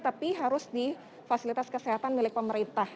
tapi harus di fasilitas kesehatan milik pemerintah